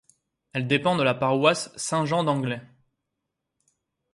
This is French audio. Elle dépend de la paroisse Saint-Jean d'Anglet.